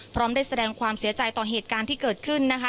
พร้อมได้แสดงความเสียใจต่อเหตุการณ์ที่เกิดขึ้นนะคะ